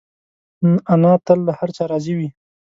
انا تل له هر چا راضي وي